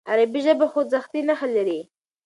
عربي ژبه خوځښتي نښې لري.